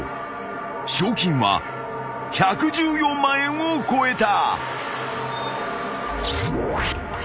［賞金は１１４万円を超えた］